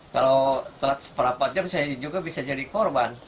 kalau telat seberapa jam saya juga bisa jadi korban